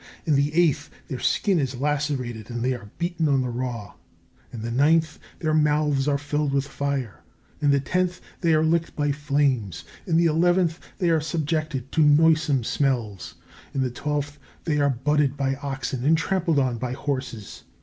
In the eighth, their skin is lacerated and they are beaten on the raw. In the ninth, their mouths are filled with fire. In the tenth, they are licked by flames. In the eleventh, they are subjected to noisome smells. In the twelfth, they are butted by oxen and trampled on by horses.